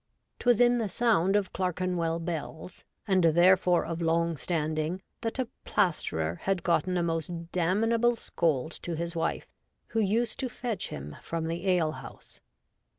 ' 'Twas in the sound of ClerkenwelL bells, and DOMESTIC STRIFE. 123 therefore of long standing, that a Plaisterer had gotten a most damnable Scold to his wife, who used to fetch him from the Ale house.